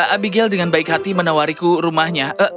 abigail dengan baik hati menawariku rumahnya